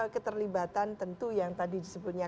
keterlibatan tentu yang tadi disebutnya